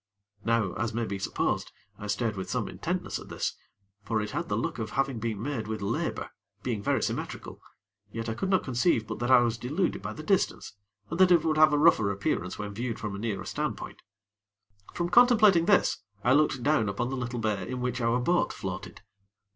Now, as may be supposed, I stared with some intentness at this; for it had the look of having been made with labor, being very symmetrical, yet I could not conceive but that I was deluded by the distance, and that it would have a rougher appearance when viewed from a nearer standpoint. From contemplating this, I looked down upon the little bay in which our boat floated.